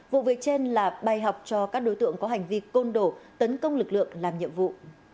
vụ việc trên là bài học cho các đối tượng có hành vi côn đổ tấn công lực lượng làm nhiệm vụ